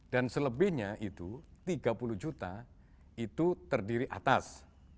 dan selebihnya itu tiga puluh juta itu terdiri atas